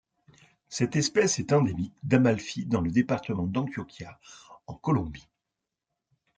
Cette espèce est endémique d'Amalfi dans le département d'Antioquia en Colombie.